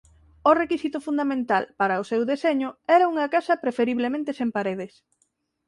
O requisito fundamental para o seu deseño era unha casa preferiblemente sen paredes.